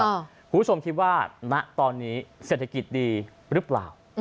คุณผู้ชมคิดว่าณตอนนี้เศรษฐกิจดีหรือเปล่า